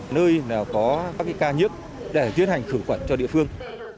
nơi có các ca nhiễm để tiến hành khử khuẩn cho địa phương